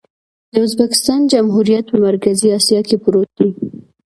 د ازبکستان جمهوریت په مرکزي اسیا کې پروت دی.